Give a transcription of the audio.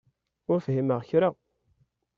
Ur fhimeɣ kra.